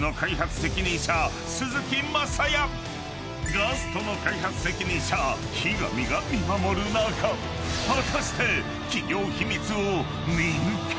［ガストの開発責任者樋上が見守る中果たして］